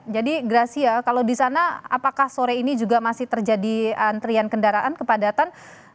jadi gracia kalau di sana apakah sore ini juga masih terjadi antrian kendaraan kepadatan